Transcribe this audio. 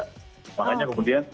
support juga makanya kemudian